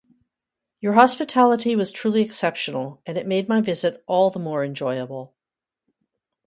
Your hospitality was truly exceptional, and it made my visit all the more enjoyable.